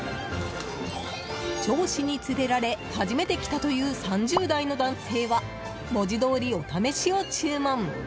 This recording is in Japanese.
上司に連れられ初めて来たという３０代の男性は文字どおり、お試しを注文。